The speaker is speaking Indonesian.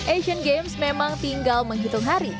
asian games memang tinggal menghitung hari